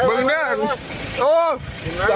มึงเนี่ยโอ้โฮ